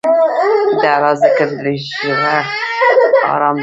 د الله ذکر، د زړه ارام دی.